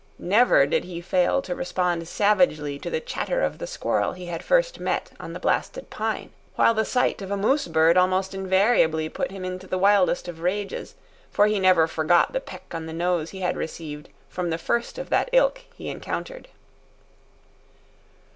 Never did he fail to respond savagely to the chatter of the squirrel he had first met on the blasted pine. While the sight of a moose bird almost invariably put him into the wildest of rages; for he never forgot the peck on the nose he had received from the first of that ilk he encountered.